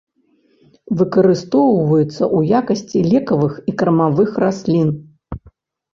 Выкарыстоўваюцца ў якасці лекавых і кармавых раслін.